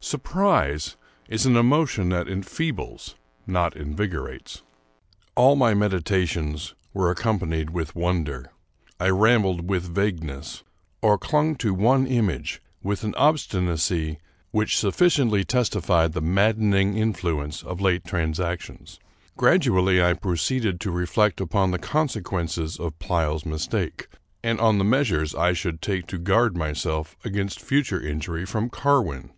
Surprise is an emotion that enfeebles, not invigorates. All my meditations were ac companied with wonder. I rambled with vagueness, or 274 Charles Brockdcn Brown clung to one image with an obstinacy which sufficiently testified the maddening influence of late transactions. Gradually I proceeded to reflect upon the consequences of Pleyel's mistake, and on the measures I should take to guard myself against future injury from Carwin.